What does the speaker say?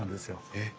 えっ。